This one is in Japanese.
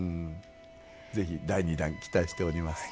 是非第２弾期待しております。